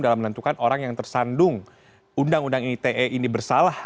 dalam menentukan orang yang tersandung undang undang ite ini bersalah